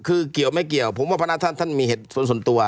คือเกี่ยวไม่เกี่ยวผมว่าพระนาท่านท่านมีเหตุผลส่วนตัว